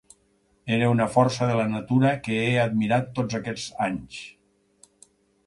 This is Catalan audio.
Era una força de la natura que he admirat tots aquest anys.